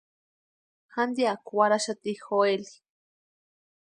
Jantianku warhaxati Joel.